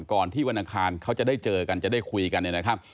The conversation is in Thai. ก่อนที่วันอังคารเขาจะได้เจอกันจะได้คุยกันเนี่ยนะครับ